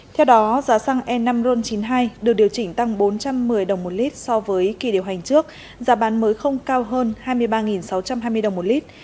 theo đó giá xăng e năm ron chín mươi hai được điều chỉnh tăng bốn trăm một mươi đồng một lít so với kỳ điều hành trước giá bán mới không cao hơn hai mươi ba sáu trăm hai mươi đồng một lít